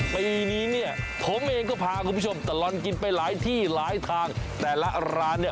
ปีนี้เนี่ยผมเองก็พาคุณผู้ชมตลอดกินไปหลายที่หลายทางแต่ละร้านเนี่ย